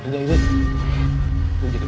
yaudah coba samberin